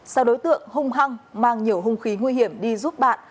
sau đối tượng hung hăng mang nhiều hung khí nguy hiểm đi giúp bạn